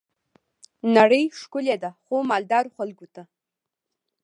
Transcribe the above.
نړۍ ښکلي ده خو، مالدارو خلګو ته.